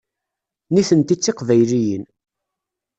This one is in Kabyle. Nitenti d Tiqbayliyin.